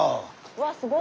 わっすごい。